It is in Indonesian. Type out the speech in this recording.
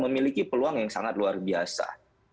memiliki peluang yang sangat luar biasa